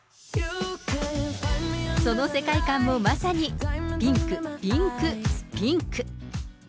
その世界観もまさにピンク、ピンク、ピンク。